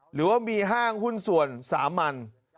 หรือว่ามีห้างหุ้นส่วนสามัญ